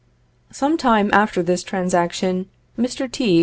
Some time after this transaction, Mr. T...